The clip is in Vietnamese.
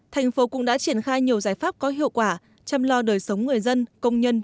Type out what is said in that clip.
thành phố cũng đã triển khai nhiều giải pháp có hiệu quả chăm lo đời sống người dân công nhân